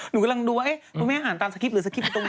หนูกำลังดูว่าตัวแม่หาตามสกิฟต์หรือสกิฟต์ไปตรงไหน